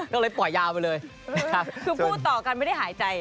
ก็เลยปล่อยยาวไปเลยคือพูดต่อกันไม่ได้หายใจ